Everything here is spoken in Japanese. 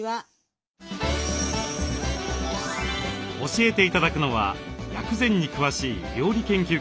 教えて頂くのは薬膳に詳しい料理研究家の